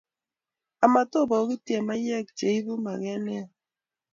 Amat obogitye eng' maiyek , che ibu maget ne ya.